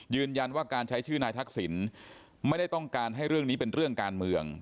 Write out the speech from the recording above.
ยืนยันว่าการใช้ชื่อนายทักษิณไม่ได้ต้องการให้เรื่องนี้เป็นเรื่องการเมือง